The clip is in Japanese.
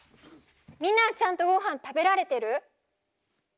みんなはちゃんとごはん食べられてる？